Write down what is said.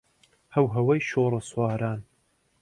هەوهەوی شۆڕەسواران